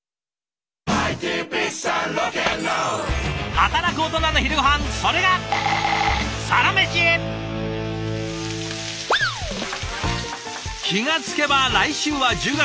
働くオトナの昼ごはんそれが気が付けば来週は１０月。